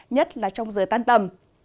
nhất là trong giờ tan tầm